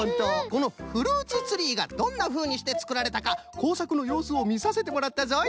このフルーツツリーがどんなふうにしてつくられたかこうさくのようすをみさせてもらったぞい！